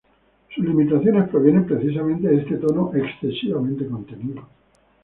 Sus limitaciones provienen precisamente de este tono excesivamente contenido.